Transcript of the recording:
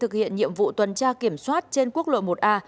thực hiện nhiệm vụ tuần tra kiểm soát trên quốc lộ một a